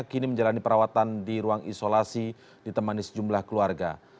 kini menjalani perawatan di ruang isolasi ditemani sejumlah keluarga